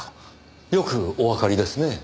よくおわかりですねぇ。